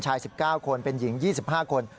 ๑๙คนเป็นหญิง๒๕คน